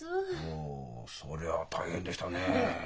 ほうそりゃ大変でしたねえ。